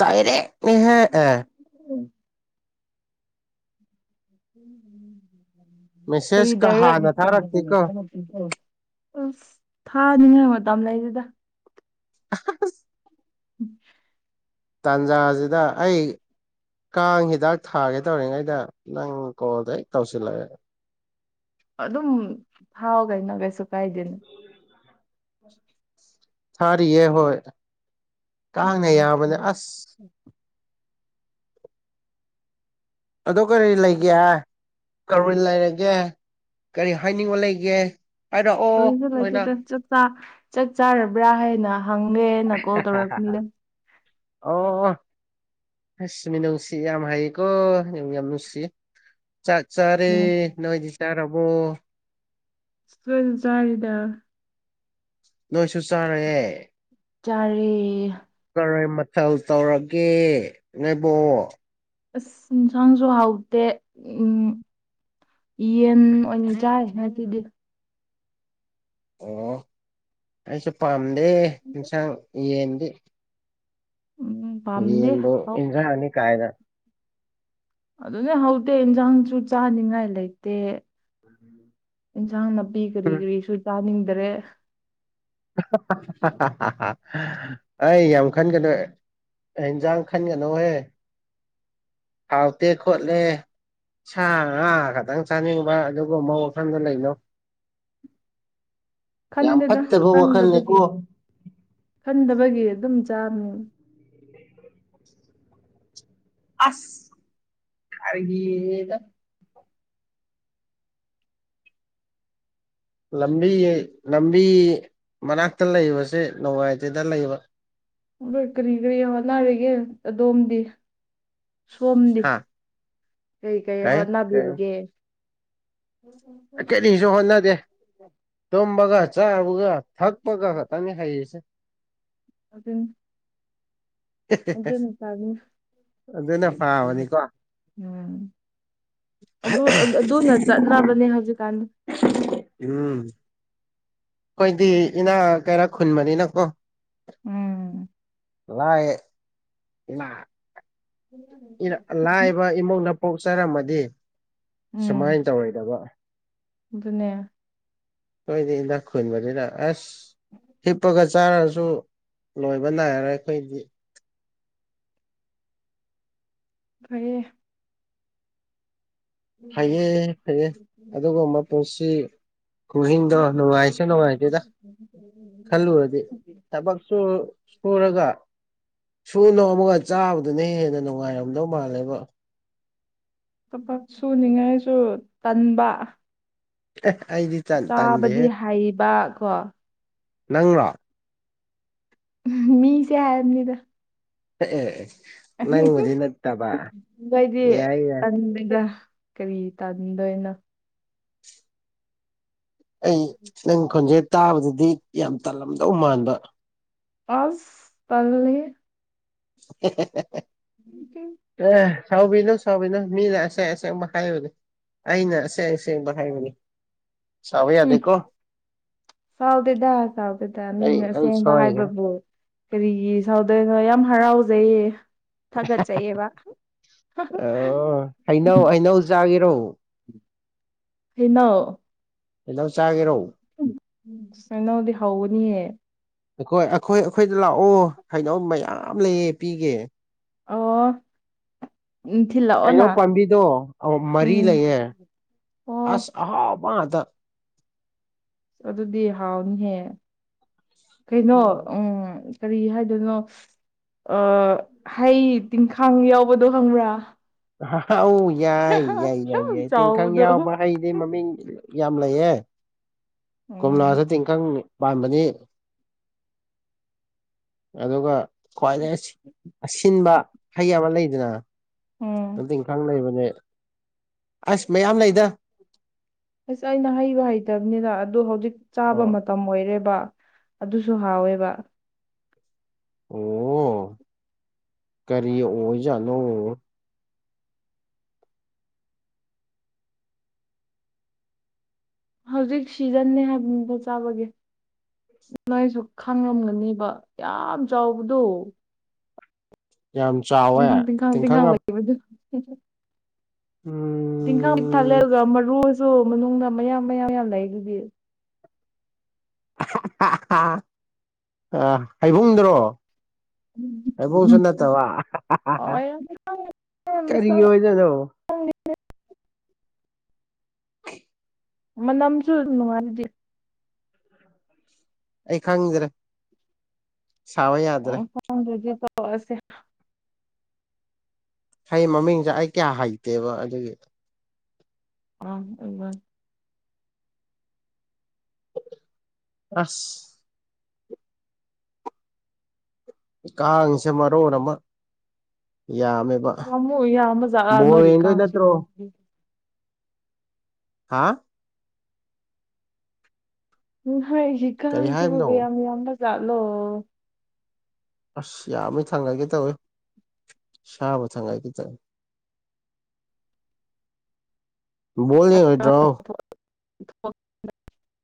ꯗꯥꯏꯔꯦꯛꯅꯤꯍꯦ ꯑꯦ ꯀꯔꯤ ꯃꯦꯁꯦꯁꯀ ꯗꯥꯏꯔꯦꯛ? ꯍꯥꯟꯅ ꯊꯥꯔꯛꯇꯦꯀꯣ [unintelligible] ꯑꯁ ꯊꯥꯅꯤꯉꯥꯏ ꯃꯇꯝ ꯂꯩꯇꯦꯗꯥ꯫ [unintelligible] [unintelligible] ꯇꯥꯟꯖꯥꯖꯤꯗ ꯑꯩ ꯀꯥꯡ ꯍꯤꯗꯥꯛ ꯊꯥꯒꯦ ꯇꯧꯔꯤꯉꯩꯗ ꯅꯪ ꯀꯣꯜꯗ ꯍꯦꯛ ꯇꯧꯁꯤꯜꯂꯛꯑꯦ꯫ ꯑꯗꯨꯝ ꯐꯥꯎ ꯀꯩꯅꯣ ꯀꯩꯁꯨ ꯀꯥꯏꯗꯦꯅ ꯊꯥꯔꯤꯌꯦꯦ ꯍꯣꯏ ꯀꯥꯡꯅ ꯑꯣ ꯌꯥꯕꯅꯦ ꯑꯁ ꯑ ꯀꯔꯤ ꯂꯩꯒꯦ ꯍꯥꯏ ꯀꯔ ꯂꯩꯔꯒꯦ ꯀꯔꯤ ꯍꯥꯏꯅꯤꯡꯕ ꯂꯩꯒꯦ ꯍꯥꯏꯔꯛꯑꯣ ꯀꯁꯨ ꯂꯣꯏꯅ ꯂꯩꯇꯦꯗ ꯆꯠ ꯆꯥꯔꯕ꯭ꯔꯥ ꯍꯥꯏꯅ ꯍꯪꯉꯦꯅ ꯀꯣꯜ ꯇꯧꯔꯛꯄꯅꯤꯗ ꯑꯣ ꯑꯣ ꯍꯁ ꯃꯤ ꯅꯨꯡꯁꯤ ꯌꯥꯝ ꯍꯥꯏꯌꯦꯀꯣ ꯅ ꯌꯥꯝ ꯅꯨꯡꯁꯤ ꯆꯥꯛ ꯆꯥꯔꯦ ꯎꯝ ꯅꯣꯏꯗꯤ ꯆꯥꯔꯕꯣ ꯁꯨꯁꯔꯦꯗꯥ ꯅꯣꯏꯁꯨ ꯆꯥꯔꯑꯦ ꯆꯔꯦ ꯀꯔꯥꯏ ꯃꯊꯜ ꯇꯧꯔꯒꯦ ꯅꯣꯏꯕꯣ ꯑꯁ ꯏꯟꯁꯥꯡꯁꯨ ꯍꯥꯎꯇꯦ ꯎꯝ ꯌꯦꯟ ꯑꯣꯏꯅ ꯆꯥꯔꯤ ꯉꯁꯤꯗꯤ ꯑꯣ ꯑꯩꯁꯨ ꯄꯥꯝꯗꯦ ꯌꯦꯟꯁꯥꯡ ꯌꯦꯟꯗꯤ ꯎꯝ ꯄꯥꯝꯗꯦ ꯌꯦꯟꯕꯨ ꯏꯟꯁꯥꯡꯅꯤ ꯀꯥꯏꯅ ꯑꯗꯨꯅꯦ ꯍꯧꯗꯦ ꯏꯟꯁꯥꯡꯁꯨ ꯆꯥꯅꯤꯡꯉꯥꯏ ꯂꯩꯇꯦ ꯎꯝ ꯏꯟꯁꯥꯡ ꯅꯥꯄꯤ ꯀꯔꯤ ꯀꯔꯤꯁꯨ ꯆꯥꯅꯤꯡꯗꯔꯦ ꯑꯩ ꯌꯥꯝ ꯈꯟꯒꯅꯨ ꯏꯟꯖꯥꯡ ꯈꯟꯒꯅꯣꯍꯦ ꯍꯥꯎꯇꯦ ꯈꯣꯠꯂꯦ ꯁꯥ ꯑꯥ ꯈꯤꯇꯪ ꯆꯥꯅꯤꯡꯕ ꯑꯗꯨꯒ ꯑꯃ ꯋꯥꯐꯝꯗ ꯂꯩꯅꯣ [unintelligible] ꯌꯥꯝ ꯈꯟꯗꯦꯅ ꯐꯠꯇꯕ ꯋꯥꯈꯜꯅꯤꯀꯣ ꯈꯟꯗꯕꯒꯤ ꯈꯟꯗꯕꯒꯤ ꯑꯗꯨꯝ ꯆꯥꯃꯤ ꯑꯁ ꯈꯔꯒꯤ ꯌꯦꯗ ꯂꯝꯕꯤ ꯂꯝꯕꯤ ꯃꯅꯥꯛꯇ ꯂꯩꯕꯁꯦ ꯅꯣꯡꯉꯥꯏꯇꯦꯗ ꯂꯩꯕ ꯍꯣꯏ ꯀꯔꯤ ꯀꯔꯤ ꯍꯣꯠꯅꯔꯤꯒꯦ ꯑꯗꯣꯝꯗꯤ ꯁꯣꯝꯗꯤ ꯍꯥ ꯀꯩ ꯀꯔꯤ ꯍꯣꯠꯅꯕꯤꯕꯒꯦ ꯎꯝ ꯎꯝ ꯀꯔꯤꯁꯨ ꯍꯣꯅ ꯗꯦ ꯇꯨꯝꯕꯒ ꯆꯥꯕꯒ ꯊꯛꯄꯒ ꯈꯛꯇꯪꯅꯤ ꯍꯩꯁꯦ ꯑꯗꯨꯅꯤ ꯑꯗꯨꯅꯄꯥ ꯑꯗꯨ ꯎꯝ ꯑꯗꯨꯅ ꯐꯥꯕꯅꯤꯀꯣ [unintelligible] ꯑꯗꯨ ꯑꯗꯨꯅ ꯆꯠꯅꯕꯅꯦ ꯍꯧꯖꯤꯛꯀꯥꯟ ꯎꯝ ꯑꯩꯈꯣꯏꯗꯤ ꯏꯅꯥ ꯀꯔꯥ ꯈꯨꯟꯕꯅꯤꯅꯀꯣ ꯎꯝ ꯂꯥꯏꯌꯦ ꯂ ꯂꯥꯏꯕ ꯏꯃꯨꯡꯅ ꯄꯣꯛꯆꯔꯝꯃꯗꯤ ꯁꯨꯃꯥꯏꯅ ꯎꯝ ꯇꯧꯔꯣꯏꯗꯕ ꯑꯗꯨꯅꯦ ꯍꯣꯏꯅꯤ ꯏꯅꯥꯛ ꯈꯨꯟꯕꯅꯤꯅ ꯑꯁ ꯍꯤꯞꯄꯒ ꯆꯥꯔꯁꯨ ꯂꯣꯏꯕ ꯅꯥꯏꯔꯔꯣꯏ ꯑꯩꯈꯣꯏꯗꯤ ꯐꯩꯌꯦ ꯐꯩꯌꯦ ꯐꯩꯌꯦ ꯑꯗꯨꯒꯨꯝꯕ ꯄꯨꯟꯁꯤ ꯃꯍꯤꯡꯗꯣ ꯅꯨꯡꯉꯥꯏꯁꯨ ꯅꯨꯡꯉꯥꯏꯇꯦꯗ ꯈꯜꯂꯨꯗꯤ ꯊꯕꯛꯁꯨ ꯁꯨꯔꯒ ꯁꯨ ꯅꯣꯝ ꯑꯃꯒ ꯆꯥꯕꯗꯨꯅ ꯍꯦꯟꯅ ꯅꯨꯡꯉꯥꯏꯔꯝꯗꯧ ꯃꯥꯜꯂꯦꯕ ꯊꯕꯛ ꯁꯨꯅꯤꯡꯉꯥꯏꯁꯨ ꯇꯟꯕ ꯑꯩꯗꯤ ꯆꯥꯕꯗꯤ ꯇꯟꯗꯦꯍꯦ ꯍꯩꯕ ꯀꯣ ꯅꯪꯔꯣ ꯃꯤꯁꯦ ꯍꯥꯏꯕꯅꯤꯗ ꯑꯦ ꯑꯦ ꯅꯪꯕꯨꯗꯤ ꯅꯠꯇꯕ ꯅꯣꯏꯗꯤ ꯌꯥꯏ ꯌꯥꯏ ꯇꯟꯗꯦꯗ ꯀꯔꯤ ꯇꯥꯅꯤꯡꯗꯣꯏꯅꯣ ꯑꯩ ꯅꯪ ꯈꯣꯟꯖꯦꯜ ꯇꯥꯕꯗꯗꯤ ꯌꯥꯝ ꯇꯜꯂꯝꯗꯧ ꯃꯥꯟꯕ ꯑꯁ ꯇꯜꯂꯤ ꯍꯦ [unintelligible] ꯎ ꯑꯦ ꯁꯕꯤꯅꯣ ꯁꯕꯤꯅꯣ ꯃꯤꯅ ꯑꯁꯦꯡ ꯑꯁꯦꯡ ꯍꯥꯏꯕꯅꯦ ꯑꯩꯅ ꯑꯁꯦꯡ ꯑ ꯁꯦꯡꯕ ꯍꯥꯏꯕꯅꯤ ꯁꯥꯎꯕ ꯎꯝ ꯌꯥꯗꯦꯀꯣ ꯆꯥꯎꯥꯎꯗꯦꯗ ꯁꯥꯎꯗꯦꯗ ꯑꯩ ꯃꯤꯅ ꯑꯩ ꯑꯁꯦꯡꯕ ꯁꯣꯏꯈ꯭ꯔꯦ ꯍꯥꯏꯕꯕꯨ ꯀꯔꯤꯒꯤ ꯁꯥꯎꯗ ꯌꯥꯝ ꯍꯔꯥꯎꯖꯩꯌꯦ ꯊꯥꯒꯠꯆꯩꯑꯕ ꯑꯣ ꯍꯩꯅꯧ ꯍꯩꯅꯧ ꯆꯥꯒꯦꯔꯣ ꯍꯩꯅ ꯑꯦꯗ ꯆꯥꯒꯤꯦꯔꯣ ꯅꯩꯅꯧꯗꯤ ꯍꯒꯅꯤꯍꯦ ꯑꯩꯈꯣꯏ ꯑꯩꯈꯣꯏ ꯑꯩꯈꯣꯏꯗ ꯂꯥꯛꯑꯣ ꯍꯥꯏꯩꯅꯧ ꯃꯌꯥꯝ ꯂꯩꯌꯦ ꯄꯤꯒꯦ ꯑꯣ [unintelligible] ꯍꯩꯅꯧ ꯄꯥꯝꯕꯤꯗꯣ ꯃꯔꯤ ꯎꯝ ꯂꯩꯌꯦꯦ ꯑꯣ ꯑꯁ ꯑꯍꯥꯎꯕ ꯑꯗ ꯑꯗꯨꯗꯤ ꯍꯥꯎꯅꯤꯍꯦ ꯀꯩꯅꯣ ꯎꯝ ꯀꯔꯤ ꯍꯥꯏꯗꯣꯏꯅꯣ ꯍꯩ ꯇꯤꯡꯈꯥꯡ ꯌꯥꯎꯕꯗꯣ ꯈꯪꯕ꯭ꯔꯥ ꯍꯧ ꯌꯥꯏ ꯌꯥꯏ ꯌꯥꯏ ꯌꯥꯝ ꯌꯥꯏ ꯇꯤꯡꯈꯪ ꯆꯥꯎꯕꯗꯣ ꯌꯥꯎꯕ꯭ꯔ ꯑꯩꯗꯤ ꯃꯃꯤꯡ ꯌꯥꯝ ꯂꯩꯌꯦ ꯎꯝ ꯀꯣꯝꯂꯁꯨꯗꯤ ꯏꯪꯈꯪ ꯄꯥꯟꯕꯅꯤ ꯑꯗꯨꯒ ꯈ꯭ꯋꯥꯏꯗꯩꯩ ꯑꯁꯤꯟꯕ ꯍꯩ ꯑꯃ ꯂꯩꯗꯅ ꯎꯝ ꯗꯤ ꯏꯈꯥꯡ ꯂꯩꯕꯅꯦ ꯑꯁ ꯃꯌꯥꯝ ꯂꯩꯗ ꯑꯁ ꯑꯩꯅ ꯍꯩꯕ ꯍꯩꯇꯕꯅꯤꯅ ꯑꯗꯨꯣ ꯍꯧꯖꯤꯛ ꯆꯥꯕ ꯑꯣ ꯃꯇꯝ ꯑꯣꯏꯔꯦꯕ ꯑꯗꯨꯁꯨ ꯍꯥꯎꯋꯦꯕ ꯑꯣ ꯀꯔꯤ ꯑꯣꯏꯖꯥꯠꯅꯣ ꯍꯧꯖꯤꯛ ꯁꯤꯖꯟꯅꯦ ꯍꯥꯏꯕꯗ ꯆꯥꯕꯒꯤ ꯅꯣꯏꯁꯨ ꯈꯥꯡꯂꯝꯝꯒꯅꯦꯕ ꯌꯥꯝ ꯆꯥꯎꯕꯗꯣ [unintelligible] ꯇꯤꯡꯈꯪ ꯑꯞ- [unintelligible] ꯎꯝ ꯇꯤꯡꯈꯪ ꯄꯤꯛ ꯊꯥꯂꯛꯑꯒ ꯃꯔꯨꯁꯨ ꯃꯅꯨꯡꯗ ꯃꯌꯥꯝ ꯃꯌꯥꯝ ꯌꯥꯝ ꯂꯩ ꯑꯗꯨꯗꯤ ꯍꯥ ꯍꯥ ꯍꯩꯕꯨꯡꯗ꯭ꯔꯣ ꯍꯥꯏꯕꯨꯡꯁꯨ ꯅꯠꯇꯕ ꯍꯥꯎꯋꯦ ꯌꯥꯝ ꯀꯔꯤ ꯃꯁꯛ ꯑꯣꯏꯗꯅꯣ [unintelligible] ꯃꯅꯝꯁꯨ ꯅꯨꯡꯉꯥꯏꯗꯤ ꯑꯩ ꯈꯪꯗ꯭ꯔꯦ ꯁꯥꯕ ꯌꯥꯗ꯭ꯔꯦ ꯍꯗꯖꯤ ꯇꯁꯦ ꯍꯩ ꯃꯃꯤꯡꯁꯦ ꯑꯩ ꯀꯌꯥ ꯍꯩꯇꯦꯕ ꯑꯗꯨꯒꯤ [unintelligible] ꯑꯁ ꯀꯥꯡꯁꯦ ꯃꯔꯣꯟ ꯑꯃ ꯌꯥ ꯌꯥꯝꯃꯨ ꯌꯥꯝꯃ ꯆꯂꯥ ꯅꯣꯔꯤ ꯅꯠꯇ꯭ꯔꯣ ꯀꯥꯡꯁꯤꯗꯣ ꯍꯥ ꯀꯔꯤ ꯍꯥꯏꯕꯅꯣ ꯍꯀꯁꯤꯕꯨꯕꯕ ꯌꯥꯝꯃꯤ ꯑꯅ ꯆꯂꯣ ꯑꯁ ꯌꯥꯝꯃꯤ ꯊꯪꯅꯥꯏꯒꯦ ꯇꯧꯏ ꯁꯥꯥꯕꯨ ꯊꯪꯅꯥꯏꯒꯦ ꯇꯧꯋꯤ ꯕꯣꯜꯅꯤ ꯍꯣꯏꯗ꯭ꯔꯣ [unintelligible]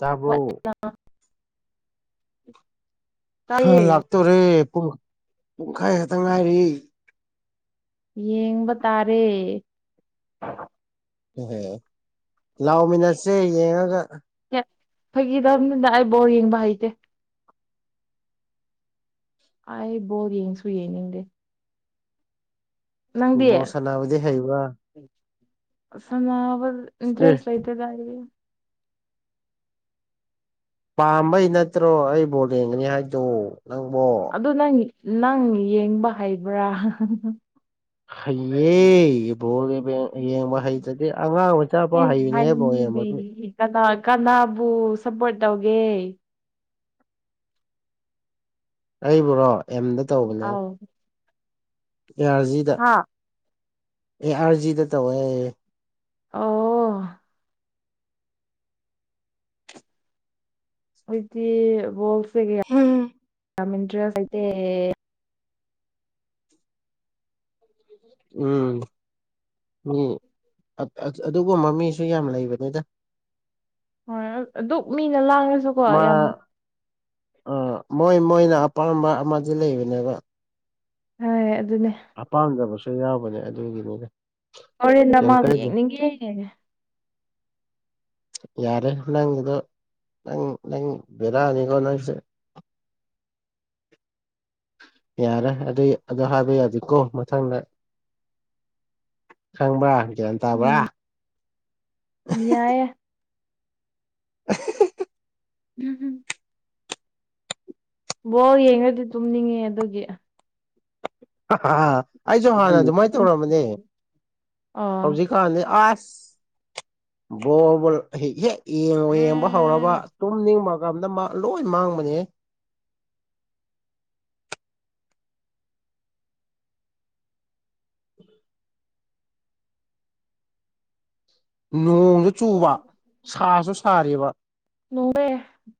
ꯇꯥꯕ꯭ꯔꯣ [unintelligible] ꯂꯥꯛꯇꯣꯔꯦ ꯄꯨꯡ ꯄꯨꯡꯈꯥꯏ ꯈꯛꯇ ꯉꯥꯏꯔꯤ ꯌꯦꯡꯕ ꯇꯥꯔꯦ ꯍꯣꯏ ꯂꯥꯎꯃꯤꯟꯅꯠꯁꯦ ꯌꯦꯡꯉꯒ ꯐꯈꯤꯗꯕꯅꯤꯅ ꯑꯩ ꯕꯣꯔ ꯌꯦꯡꯕ ꯍꯩꯇꯦ ꯑꯩ ꯕꯣ ꯌꯦꯡꯁꯨ ꯌꯦꯡꯅꯤꯡꯗꯦ ꯅꯪꯗꯤ ꯕꯣꯜ ꯁꯥꯟꯅꯕꯗꯤ ꯍꯩꯕ꯭ꯔꯥ ꯁꯥꯅꯕ ꯑꯦ ꯗꯔ꯭ꯦꯁ ꯂꯩ ꯀꯗꯥꯏꯗꯒꯤ ꯄꯥꯝꯕꯩ ꯅꯠꯇ꯭ꯔꯣ ꯑꯩ ꯕꯣꯜ ꯌꯦꯡꯒꯅꯤ ꯍꯥꯏꯗꯣ ꯅꯪꯕꯣ ꯑꯗꯨ ꯅꯪ ꯅꯪ ꯌꯦꯡꯕ ꯍꯩꯕ꯭ꯔꯥ [unintelligible] ꯍꯩꯌꯦ ꯕꯣꯜ ꯌꯦꯡꯕ ꯌꯦꯡꯕ ꯍꯩꯇ꯭ꯔꯗꯤ ꯑꯉꯥꯡ ꯃꯆꯥꯐꯥꯎ ꯍꯩꯕꯅꯦꯍꯦ ꯕꯣꯜ ꯌꯦꯡꯕꯗꯤ ꯀꯅꯥ ꯀꯅꯥꯕꯨ ꯁꯞꯄꯣꯔꯠ ꯇꯧꯒꯦ ꯑꯩꯕꯨꯔꯣ ꯑꯦꯝꯗ ꯇꯧꯕꯅꯦ ꯑꯥꯎ ꯑꯦ ꯑꯥꯔꯖꯤꯗ ꯍꯥ ꯑꯦ ꯑꯥꯔꯖꯤꯗ ꯇꯧꯋꯦ ꯑꯣ [unintelligible] ꯎꯝ ꯃꯤ ꯑꯗꯨꯒꯨꯝꯕ ꯃꯤꯁꯨ ꯌꯥꯝ ꯂꯩꯕꯅꯤꯗ ꯑꯗꯨꯛ ꯃꯤꯅ ꯂꯥꯡꯉꯁꯨ ꯃꯥ ꯃꯣꯏ ꯃꯣꯏꯅ ꯑꯄꯥꯝꯕ ꯑꯃꯗꯤ ꯂꯩꯕꯅꯦꯕ ꯍꯣꯏ ꯑꯗꯨꯅꯦ ꯑꯄꯥꯝꯗꯕꯁꯨ ꯌꯥꯎꯕꯅꯦ ꯑꯗꯨꯒꯤ ꯑꯣꯔꯦꯟꯗ ꯃꯥꯕꯨ ꯌꯦꯡꯅꯤꯡꯉꯦ ꯌꯥꯔꯦ ꯅꯪꯒꯤꯗꯣ ꯅꯪ ꯅꯪ ꯕꯦꯔꯥꯅꯤꯒꯣ ꯅꯪꯁꯦ ꯌꯥꯔꯦ ꯑꯗꯨꯏ ꯑꯗꯨ ꯍꯥꯏꯕ ꯌꯥꯗꯦꯀꯣ ꯃꯊꯪꯗ ꯈꯪꯕ꯭ꯔ ꯒꯌ꯭ꯥꯟ ꯇꯥꯕ꯭ꯔ ꯎꯝ ꯌꯥꯏꯌꯦ [unintelligible] ꯎꯝ ꯕꯣꯜ ꯌꯦꯡꯔꯗꯤ ꯇꯨꯝꯅꯤꯡꯉꯦ ꯑꯗꯨꯒꯤ ꯑꯩꯁꯨ ꯍꯥꯟꯅ ꯑꯗꯨꯃꯥꯏꯅ ꯇꯧꯔꯝꯕꯅꯦ ꯑꯥ ꯍꯧꯖꯤꯛꯀꯥꯟꯗꯤ ꯑꯁ [inaudible] ꯕꯣꯜꯕꯨ ꯍꯦꯛ ꯌꯦꯡꯕꯨ ꯌꯦꯡꯕ ꯍꯧꯔꯕ ꯇꯨꯝꯅꯤꯡꯕꯒ ꯂꯣꯏ ꯃꯥꯡꯕꯅꯦ ꯅꯣꯡꯁꯨ ꯆꯨꯕ ꯁꯥꯁꯨ ꯁꯥꯔꯤꯕ [unintelligible]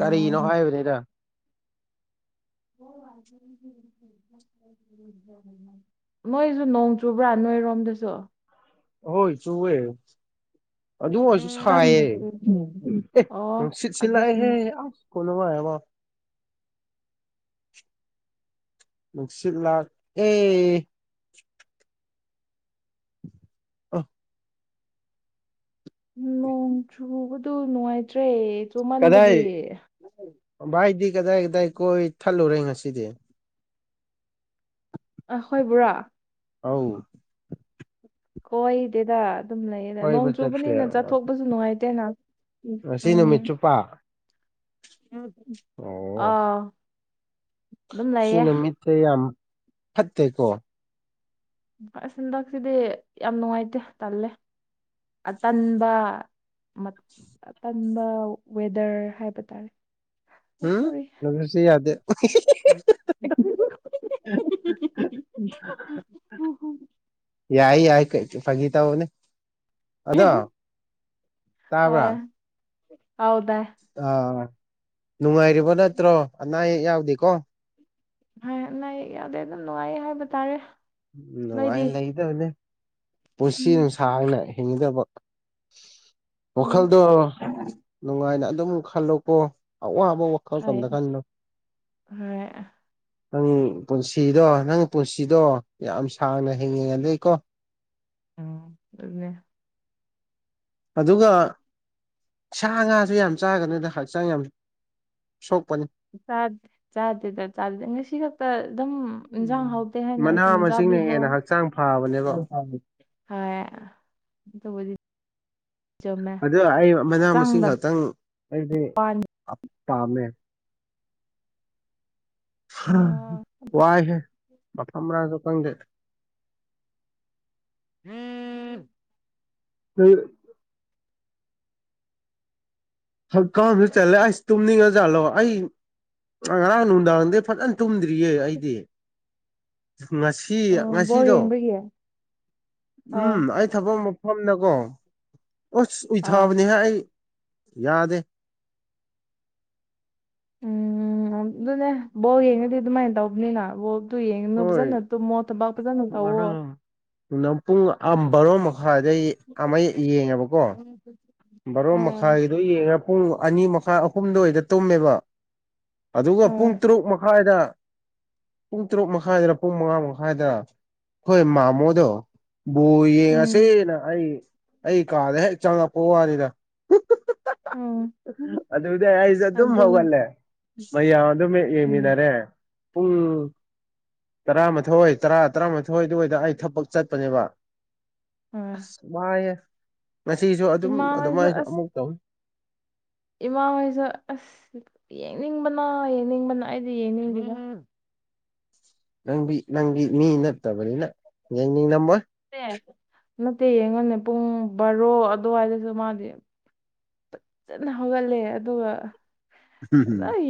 ꯀꯔꯤꯅꯣ ꯅꯣꯡ ꯍꯥꯏꯕꯅꯤꯗ [inaudible] ꯅꯣꯏꯁꯨ ꯅꯣꯡ ꯆꯨꯕ꯭ꯔꯥ ꯅꯣꯏꯔꯣꯝꯗꯁꯨ ꯍꯣꯏ ꯆꯨꯋꯦ ꯑꯗꯨ ꯑꯣꯏꯔꯁꯨ ꯁꯥꯏꯌꯦ ꯑꯦ ꯑꯣ ꯅꯨꯡꯁꯤꯠ ꯁꯤꯠꯂꯛꯑꯦꯍꯦ ꯑꯗꯨꯁꯨꯅꯦ ꯑꯁ ꯈꯨꯅꯨꯉꯥꯏ ꯑꯃ ꯅꯨꯡꯁꯤꯠ ꯂꯥꯛꯑꯦ ꯑ ꯅꯣꯡ ꯆꯨꯕꯗꯨ ꯅꯨꯡꯉꯥꯏꯇ꯭ꯔꯦ ꯀꯗꯥꯏ ꯆꯨꯃꯟꯕꯒꯤ ꯚꯥꯏꯗꯤ ꯀꯗꯥꯏ ꯀꯗꯥꯏ ꯀꯣꯏꯊꯠꯂꯨꯔꯦ ꯉꯁꯤꯗꯤ ꯑꯥꯍꯣꯏꯕꯨꯔꯥ ꯑꯥꯎ ꯀꯣꯏꯗꯦꯗ ꯑꯗꯨꯝ ꯂꯩꯌꯦꯗ ꯅꯣꯡ ꯀꯣꯏꯕ ꯆꯠꯇꯦ ꯆꯨꯕꯅꯤꯅ ꯆꯠꯊꯣꯛꯄꯁꯨ ꯅꯨꯡꯉꯥꯏꯇꯦꯅ ꯉꯁꯤ ꯎꯝ ꯅꯨꯃꯤꯠ ꯆꯨꯞꯄ ꯎꯝ ꯑꯣ ꯑꯥ ꯑꯗꯨꯝ ꯁꯤ ꯂꯩꯌꯦ ꯅꯨꯃꯤꯠꯁꯦ ꯌꯥꯝ ꯐꯠꯇꯦꯀꯣ ꯑꯁ ꯍꯟꯗꯛꯁꯤꯗꯤ ꯌꯥꯝ ꯅꯨꯡꯉꯥꯏꯇꯦ ꯇꯜꯂꯦ ꯑꯇꯟꯕ ꯑꯇꯟꯕ ꯋꯦꯗꯔ ꯍꯥꯏꯕ ꯇꯥꯔꯦ ꯁꯣꯔꯤ ꯁꯤ ꯌꯥꯗꯦ ꯌꯥꯏ ꯌꯥꯏ ꯐꯥꯒꯤ ꯇꯧꯕꯅꯦ ꯑꯗꯣ ꯇꯥꯕ꯭ꯔꯥ ꯑꯧ ꯇꯥꯏꯌꯦ ꯑꯥ ꯅꯨꯡꯉꯥꯏꯔꯤꯕ ꯅꯠꯇ꯭ꯔꯣ ꯑꯅꯥ ꯑꯌꯦꯛ ꯌꯥꯎꯗꯦꯀꯣ ꯑꯅꯥ ꯑꯌꯦꯛ ꯌꯥꯎꯗꯦ ꯑꯗꯨꯝ ꯅꯨꯡꯉꯥꯏꯌꯦ ꯍꯥꯏꯕꯇꯥꯔꯦ꯫ ꯎꯝ ꯅꯨꯡꯉꯥꯏ ꯂꯩꯗꯕꯅꯦ ꯄꯨꯟꯁꯤ ꯎꯝ ꯅꯨꯡ ꯁꯥꯡꯅ ꯍꯤꯡꯒꯗꯕ꯫ ꯎꯝ ꯋꯥꯈꯜꯗꯣ ꯅꯨꯡꯉꯥꯏꯅ ꯑꯗꯨꯝ ꯈꯜꯂꯣꯀꯣ ꯑꯋꯥꯕ ꯈꯣꯏꯁꯣꯝꯗ ꯍꯣꯏ ꯈꯥꯜꯂꯨꯅꯨ꯫ ꯍꯣꯏ ꯅꯪ ꯄꯨꯟꯁꯤꯗꯣ ꯅꯪ ꯄꯨꯟꯁꯤꯗꯣ ꯌꯥꯝ ꯁꯥꯡꯅ ꯍꯦꯡꯅꯤꯡꯉꯗꯤꯀꯣ꯫ ꯑꯣ ꯑꯗꯨꯅꯦ꯫ ꯑꯗꯨꯒ ꯁꯥ ꯉꯥꯥꯖꯨ ꯌꯥꯝ ꯆꯥꯒꯅꯨꯗ ꯍꯛꯆꯥꯡ ꯌꯥꯝ ꯁꯣꯛꯄꯅꯤ꯫ ꯆꯥꯠ ꯆꯥꯗꯦꯗ ꯆꯥꯖꯦ ꯉꯁꯤꯈꯛ ꯇ ꯗꯨꯝ ꯏꯟꯖꯥꯡ ꯎꯝ ꯍꯥꯎꯇꯦ ꯍꯥꯏꯅ ꯑꯁꯨꯝ ꯃꯅꯥ ꯃꯁꯤꯡꯅ ꯆꯥꯕꯤꯕ ꯍꯦꯟꯅ ꯋꯥꯅꯤ ꯍꯛꯆꯥꯡ ꯐꯕꯅꯦꯕ [unintelligible] ꯍꯣꯏ ꯑꯗꯨꯕꯨꯗꯤ꯫ ꯆꯨꯝꯃꯦ ꯑꯗꯣ ꯑꯩ ꯃꯅꯥ ꯃꯁꯤꯡ ꯆꯪꯗꯕ ꯈꯛꯇꯪ ꯑꯩꯗꯤ ꯋꯥꯅꯤ [unintelligible] ꯄꯥꯝꯃꯦ꯫ ꯍꯥ ꯑꯣ ꯋꯥꯥꯏꯍꯦ ꯃꯐꯝꯃꯔꯥꯡꯖꯨ ꯈꯪꯗꯦ꯫ [unintelligible] ꯂꯩꯔ꯫ ꯍꯛꯀꯥꯝꯖꯨ ꯆꯠꯂꯦ ꯑꯩꯁ ꯇꯨꯝꯅꯤꯡꯉꯖꯥꯠꯂꯣ ꯑꯩ ꯉꯔꯥꯡ ꯅꯨꯡꯗꯥꯡꯗꯤ ꯐꯖꯅ ꯇꯨꯝꯗꯔꯤ꯫ ꯗꯤꯌꯦ ꯑꯩꯗꯤ꯫ ꯉꯁꯤ ꯑꯣ ꯕꯣꯜ ꯉꯁꯤꯗꯣ ꯌꯦꯡꯕꯒꯤ ꯎꯝ ꯑꯥ ꯑꯩ꯫ ꯊꯕꯛ ꯃꯐꯝꯗꯀꯣ ꯑꯁ ꯑꯥ ꯎꯏꯊꯕꯅꯦꯍꯦ ꯑꯩ ꯌꯥꯗꯦ꯫ ꯎꯝ ꯑꯗꯨꯅꯦ ꯕꯣꯜ ꯌꯦꯡꯉꯗꯤ ꯑꯗꯨꯃꯥꯏ ꯇꯧꯕꯅꯤꯅ ꯕꯣꯜ ꯑꯗꯨ ꯌꯦꯡꯒꯅꯨ ꯍꯣꯏ ꯐꯖꯅ ꯇꯨꯝꯃꯣ ꯊꯕꯛ ꯐꯖꯅ ꯇꯧꯋꯣ꯫ ꯉꯔꯥꯡ ꯅꯨꯡꯗꯥꯡ ꯄꯨꯡ ꯑꯝ ꯕꯥꯔꯣ ꯃꯈꯥꯏꯗꯩ ꯑꯃ ꯌꯦꯡꯉꯦꯕꯀꯣ꯫ ꯕꯥꯔꯣ ꯎꯝ ꯃꯈꯥꯏꯒꯤꯗꯣ ꯌꯦꯡꯉꯦ ꯄꯨꯡ ꯑꯅꯤ ꯃꯈꯥꯏ ꯑꯍꯨꯝ ꯗꯨꯋꯥꯏꯗ ꯇꯨꯝꯃꯦꯕ꯫ ꯑꯗꯨꯒ ꯄꯨꯡ ꯍꯣꯏ ꯇꯔꯨꯛ ꯃꯈꯥꯏꯗ ꯄꯨꯡ ꯇꯔꯨꯛ ꯃꯈꯥꯏꯗꯔ ꯄꯨꯡ ꯃꯉꯥ ꯃꯈꯥꯏꯗꯔ ꯑꯩꯈꯣꯏ ꯃꯥꯃꯣꯗꯣ꯫ ꯕꯣꯜ ꯎꯝ ꯌꯦꯡꯉꯁꯦꯅ ꯑꯩ ꯑꯩ ꯀꯥꯗ ꯍꯦꯛ ꯆꯪꯉꯛꯄ ꯋꯥꯅꯤꯗ꯫ ꯎꯝ꯫ ꯑꯗꯨꯗꯩ ꯑꯩꯖꯨ ꯑꯗꯨꯝ ꯑꯗꯨꯅꯤ ꯍꯧꯒꯠꯂꯦ ꯃꯌꯥꯝ ꯑꯗꯨꯝ ꯎꯝ ꯌꯦꯡꯃꯤꯟꯅꯔꯦ꯫ ꯄꯨꯡ꯫ ꯇꯔꯥꯃꯥꯊꯣꯏ ꯇꯔꯥ ꯇꯔꯥꯃꯥꯊꯣꯏꯗꯨꯋꯥꯏꯗ ꯑꯩ ꯊꯕꯛ ꯆꯠꯄꯅꯦꯕ꯫ ꯍꯣꯏ ꯑꯁ ꯋꯥꯏꯌꯦ ꯉꯁꯤꯁꯨ ꯑꯗꯨꯝ ꯏꯃꯥ ꯍꯣꯏꯁꯨ ꯑꯗꯨꯃꯥꯏꯅꯁꯨ ꯑꯁ ꯑꯃꯨꯛ ꯇꯧꯏ꯫ ꯏꯃꯥ ꯍꯣꯏꯁꯨ ꯑꯁ ꯌꯦꯡꯅꯤꯡꯕꯅ ꯌꯦꯡꯅꯤꯡꯕꯅ ꯑꯩꯗꯤ ꯌꯦꯡꯅꯤꯡꯗꯦꯗ꯫ ꯅꯪꯗꯤ ꯅꯪꯗꯤ ꯃꯤ ꯅꯠꯇꯕꯅꯤꯅ ꯌꯦꯡꯅꯤꯡꯂꯝꯃꯣꯏ꯫ ꯇꯦ ꯅꯠꯇꯦ ꯌꯦꯡꯉꯣꯅꯦ ꯄꯨꯡ ꯕꯥꯔꯣ ꯑꯗꯨꯋꯥꯏꯗꯖꯨ ꯃꯥꯗꯤ꯫ ꯐꯖꯅ ꯍꯧꯍꯜꯂꯦ ꯑꯗꯨꯒ [unintelligible] ꯐꯖꯅ